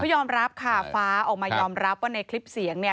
ยอมรับค่ะฟ้าออกมายอมรับว่าในคลิปเสียงเนี่ย